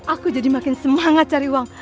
aku jadi makin semangat cari uang